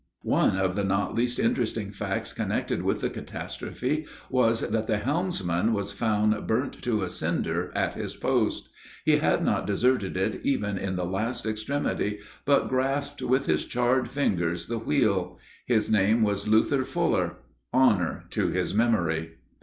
One of the not least interesting facts connected with the catastrophe, was that the helmsman was found burnt to a cinder at his post. He had not deserted it even in the last extremity, but grasped with his charred fingers the wheel. His name was Luther Fuller. Honor to his memory!